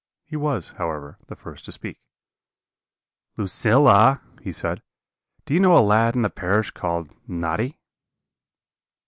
He was, however, the first to speak. "'Lucilla,' he said, 'do you know a lad in the parish called Noddy?'